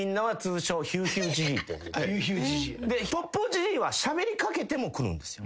ジジイはしゃべりかけてもくるんですよ。